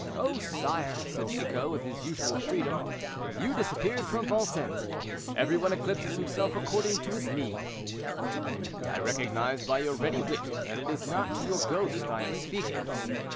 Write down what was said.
"Oh, sire!" said Chicot, with his usual freedom, "you disappeared from Vincennes. Every one eclipses himself according to his need." "I recognize by your ready wit that it is not to your ghost I am speaking."